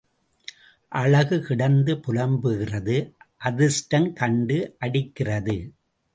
அழகு கிடந்து புலம்புகிறது அதிர்ஷ்டம் கண்டு அடிக்கிறது.